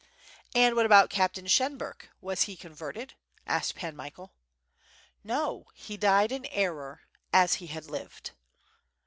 "And what about Captain Shenberk, was he converted?'' asked Pan Michael. "No, he died in error, as he had lived."